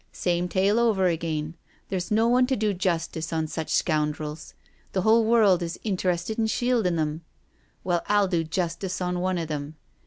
Same tale over again. There's no one to do justice on such scoundrels — ^the whole world is inter ested in shieldin' them. Well, I'll do justice on one of them."